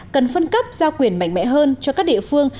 cần phân cấp giao quyền mạnh mẽ hơn cho các địa phương